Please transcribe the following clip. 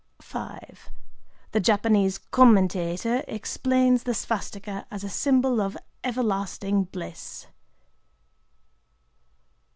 The Japanese commentator explains the svastikâ as a symbol of "everlasting bliss."